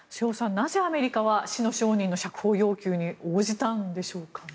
なぜアメリカは死の商人の釈放要求に応じたんですかね。